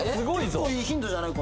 結構いいヒントじゃない？